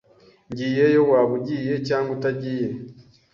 Ngiyeyo waba ugiye cyangwa utagiye.